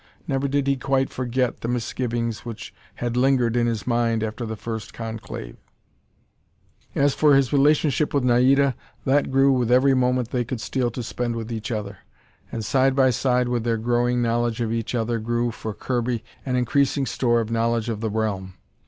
Never did he quite forget the misgivings which had lingered in his mind after the first conclave. As for his relationship with Naida, that grew with every moment they could steal to spend with each other. And side by side with their growing knowledge of each other grew, for Kirby, an increasing store of knowledge of the realm.